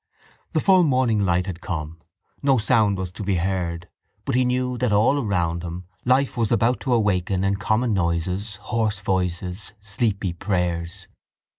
The full morning light had come. No sound was to be heard; but he knew that all around him life was about to awaken in common noises, hoarse voices, sleepy prayers.